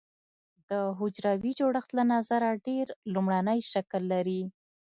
د حجروي جوړښت له نظره ډېر لومړنی شکل لري.